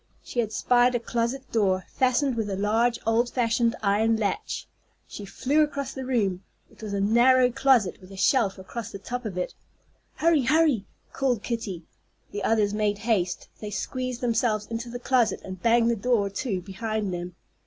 She had spied a closet door, fastened with a large old fashioned iron latch. She flew across the room. It was a narrow closet, with a shelf across the top of it. "Hurry, hurry!" called Kitty. The others made haste. They squeezed themselves into the closet, and banged the door to behind them.